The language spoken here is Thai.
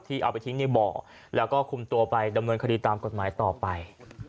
เอาไปทิ้งในบ่อแล้วก็คุมตัวไปดำเนินคดีตามกฎหมายต่อไป